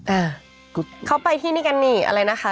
อ่าเขาไปที่นี่กันนี่อะไรนะคะ